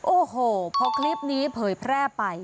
โอ้โหพอคลิปนี้เผยแพร่ไป